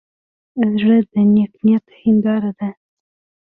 زړه د نیک نیت هنداره ده.